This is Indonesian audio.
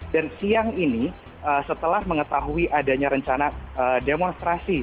dan siang ini setelah mengetahui adanya rencana demonstrasi